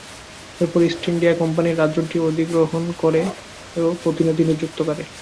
এরপর East India Company রাজ্যটি অধিগ্রহণ করে ও প্রতিনিধি নিযুক্ত করে।